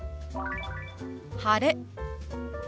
「晴れ」。